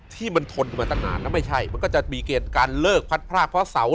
ที่มันทนกันมาตั้งนานแล้วไม่ใช่มันก็จะมีเกณฑ์การเลิกพัดพรากเพราะเสา